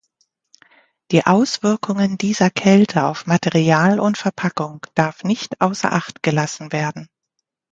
Die Auswirkungen dieser Kälte auf Material und Verpackung darf nicht außer acht gelassen werden.